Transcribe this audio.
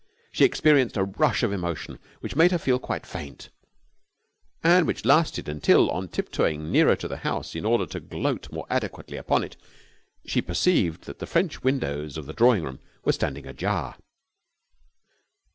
She experienced a rush of emotion which made her feel quite faint, and which lasted until, on tiptoeing nearer to the house in order to gloat more adequately upon it, she perceived that the French windows of the drawing room were standing ajar.